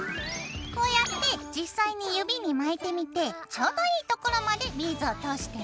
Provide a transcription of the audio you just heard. こうやって実際に指に巻いてみてちょうどいいところまでビーズを通してね。